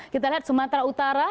kita lihat sumatera utara